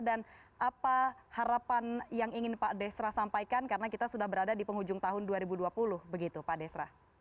dan apa harapan yang ingin pak desra sampaikan karena kita sudah berada di penghujung tahun dua ribu dua puluh begitu pak desra